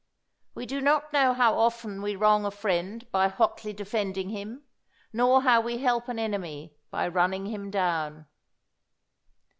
We do not know how often we wrong a friend by hotly defending him, nor how we help an enemy by running him down.